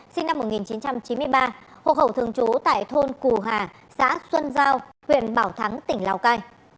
sinh năm một nghìn chín trăm chín mươi ba hộ khẩu thường trú tại thôn cù hà xã xuân giao huyện bảo thắng tỉnh lào cai